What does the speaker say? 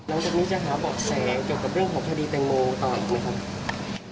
แล้วตอนนี้จะหาบอกแสงเกี่ยวกับเรื่องของภาพยาดีเต็มโมงต่อไหมครับ